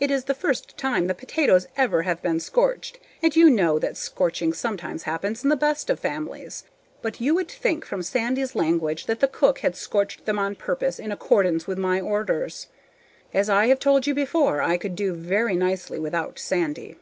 It is the first time the potatoes ever have been scorched, and you know that scorching sometimes happens in the best of families. But you would think from Sandy's language that the cook had scorched them on purpose, in accordance with my orders. As I have told you before, I could do very nicely without Sandy.